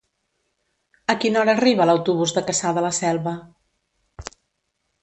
A quina hora arriba l'autobús de Cassà de la Selva?